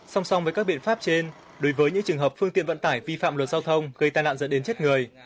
song song với các biện pháp trên đối với những trường hợp phương tiện vận tải vi phạm luật giao thông gây tai nạn dẫn đến chết người